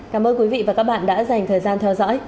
cảm ơn quý vị và các bạn đã dành thời gian theo dõi